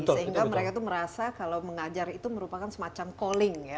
sehingga mereka itu merasa kalau mengajar itu merupakan semacam calling ya